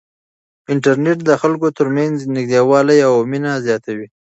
انټرنیټ د خلکو ترمنځ نږدېوالی او مینه زیاتوي.